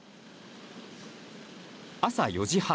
朝４時半。